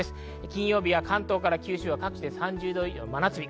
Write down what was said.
金曜日は関東から九州は各地で３０度以上の真夏日。